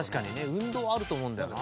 運動あると思うんだよな。